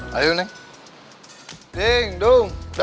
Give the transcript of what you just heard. dari sekarang relaxing black cobra